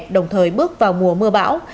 đồng thời bước vào mùa mưa bão